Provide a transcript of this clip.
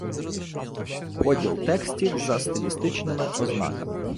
Поділ текстів за стилістичнимим ознаками